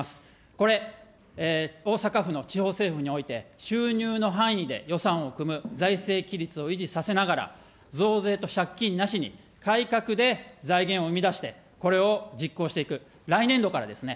これ、大阪府の地方政府において収入の範囲で予算を組む、財政規律を維持させながら、増税と借金なしに、改革で財源を生み出して、これを実行していく、来年度からですね。